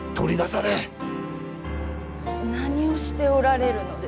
何をしておられるのです？